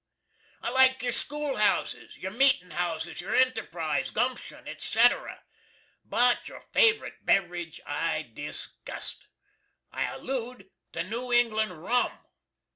I like your skool houses, your meetin houses, your enterprise, gumpshun &c., but your favorit Bevridge I disgust. I allude to New England Rum.